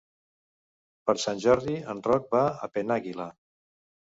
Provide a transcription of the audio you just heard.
Per Sant Jordi en Roc va a Penàguila.